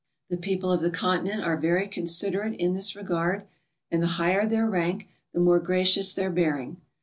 The people of the Continent are very considerate in this regard, and the higher their rank, the more gracious their bearing.